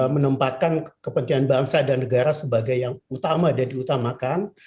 menempatkan kepentingan bangsa dan negara sebagai yang utama dan diutamakan